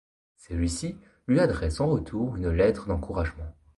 Celui-ci lui adresse en retour une lettre d'encouragement.